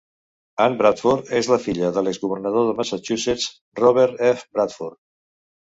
Ann Bradford és la filla de l'exgovernador de Massachusetts Robert F. Bradford.